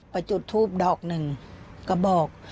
ประจุทูปดอกหนึ่งก็บอก